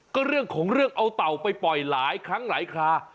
ก็เรื่องของเรื่องเอาเต่าไปปล่อยหลายครั้งหลายครา